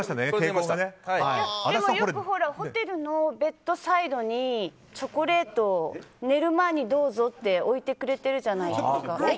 よくホテルのベッドサイドにチョコレート寝る前にどうぞって置いてくれてるじゃないですか。